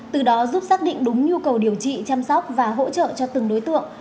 từ đó giúp xác định đúng nhu cầu điều trị chăm sóc và hỗ trợ cho từng đối tượng